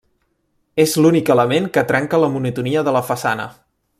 És l'únic element que trenca la monotonia de la façana.